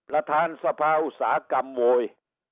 รัฐานทรภาวสากรรมโยย์